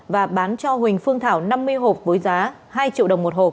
và bán cho huỳnh phương thảo năm mươi hộp với giá hai triệu đồng một hộp